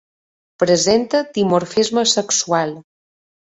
Presenta dimorfisme sexual.